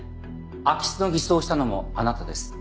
空き巣を偽装したのもあなたです。